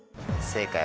正解。